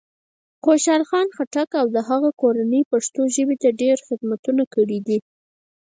خوشال خان خټک او د هغه کورنۍ پښتو ژبې ته ډېر خدمتونه کړي دی.